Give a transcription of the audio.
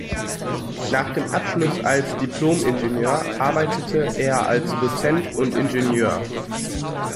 Nach dem Abschluss als Diplom-Ingenieur arbeitete er als Dozent und Ingenieur.